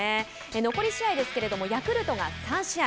残り試合ですけれどもヤクルトが３試合。